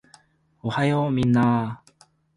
おはようみんなー